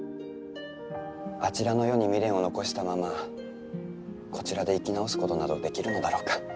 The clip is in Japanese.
あちらの世に未練を残したままこちらで生き直すことなどできるのだろうか。